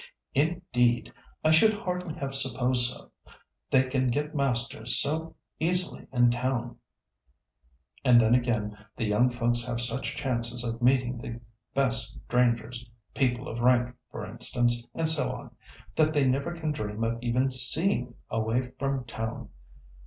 "Indeed! I should hardly have supposed so. They can get masters so easily in town, and then again the young folks have such chances of meeting the best strangers—people of rank, for instance, and so on—that they never can dream of even seeing, away from town.